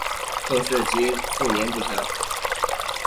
后事及卒年不详。